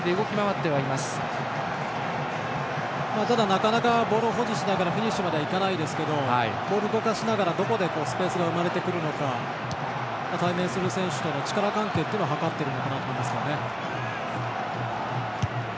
なかなかボールを保持しながらフィニッシュまでは行かないですがボールを動かしながらどこでスペースが生まれるのか対面する選手との力関係を測っているのかなと思います。